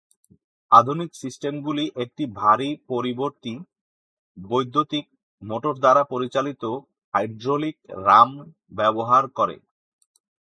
আধুনিক সিস্টেমগুলি একটি ভারী পরিবর্তী বৈদ্যুতিক মোটর দ্বারা চালিত হাইড্রোলিক রাম ব্যবহার করে।